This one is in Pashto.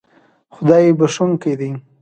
خدای بښونکی دی